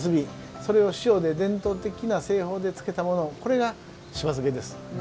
それを塩で伝統的な製法で漬けたのがしば漬けです。